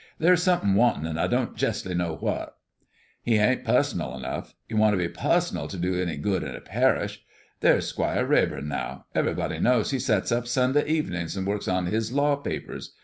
"There's somethin' wantin'. I don't jestly know what." "He ain't pussonal enough. You want to be pussonal to do any good in a parish. There's Squire Radbourne, now. Everybody knows he sets up Sunday evenin's and works on his law papers.